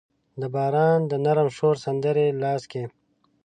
د باران د نرم شور سندرې لاس کې